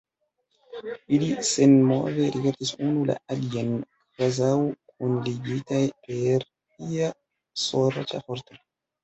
Ili senmove rigardis unu la alian, kvazaŭ kunligitaj per ia sorĉa forto.